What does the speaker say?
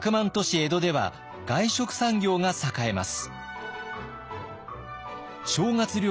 江戸では外食産業が栄えます。